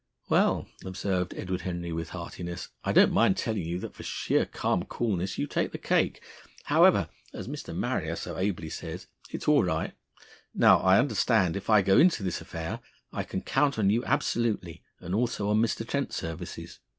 "Well," observed Edward Henry with heartiness, "I don't mind telling you that for sheer calm coolness you take the cake. However, as Mr. Marrier so ably says, it's all right. Now, I understand if I go into this affair I can count on you absolutely, and also on Mr. Trent's services."